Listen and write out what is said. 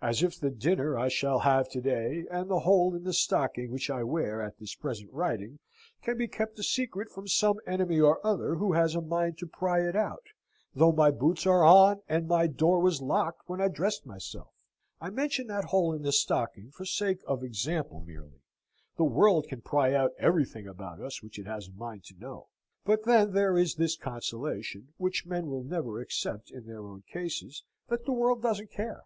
As if the dinner I shall have to day, and the hole in the stocking which I wear at this present writing, can be kept a secret from some enemy or other who has a mind to pry it out though my boots are on, and my door was locked when I dressed myself! I mention that hole in the stocking for sake of example merely. The world can pry out everything about us which it has a mind to know. But then there is this consolation, which men will never accept in their own cases, that the world doesn't care.